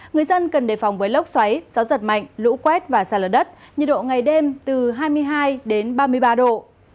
người dân cần đề phòng với lốc xoáy gió giật mạnh lũ quét và xa lở đất nhiệt độ ngày đêm từ hai mươi hai đến ba mươi ba độ